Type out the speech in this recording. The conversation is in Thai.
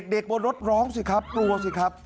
เด็กบนรถร้องสิครับกลัวสิครับ